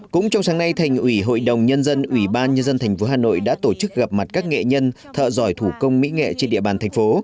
cũng trong sáng nay thành ủy hội đồng nhân dân ủy ban nhân dân tp hà nội đã tổ chức gặp mặt các nghệ nhân thợ giỏi thủ công mỹ nghệ trên địa bàn thành phố